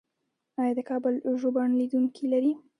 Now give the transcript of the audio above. آیا د کابل ژوبڼ لیدونکي لري؟